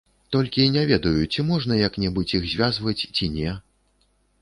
Толькі не ведаю, ці можна як-небудзь іх звязваць, ці не.